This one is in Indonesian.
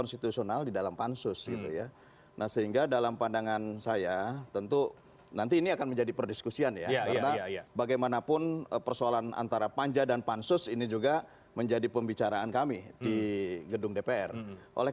malah sponsornya pdip loh